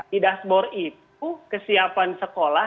di dashboard itu kesiapan sekolah